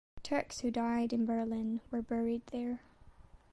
Turks who died in Berlin were buried there.